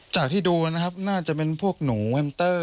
จากที่ดูนะครับน่าจะเป็นพวกหนูแฮมเตอร์